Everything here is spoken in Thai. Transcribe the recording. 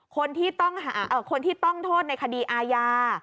คนที่ต้องโทษในคดีอาญา